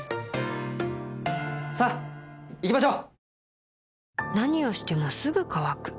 さあ行きましょう。